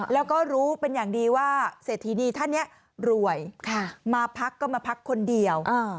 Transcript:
แล้วก็รู้เป็นอย่างดีว่าเศรษฐีนีท่านนี้รวยมาพักก็มาพักคนเดียว